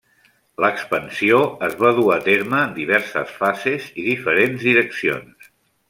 L'expansió es va dur a terme en diverses fases i diferents direccions.